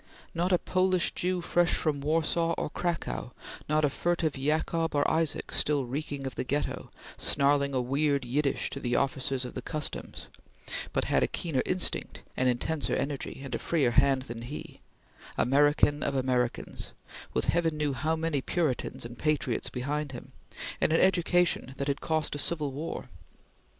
Not a Polish Jew fresh from Warsaw or Cracow not a furtive Yacoob or Ysaac still reeking of the Ghetto, snarling a weird Yiddish to the officers of the customs but had a keener instinct, an intenser energy, and a freer hand than he American of Americans, with Heaven knew how many Puritans and Patriots behind him, and an education that had cost a civil war.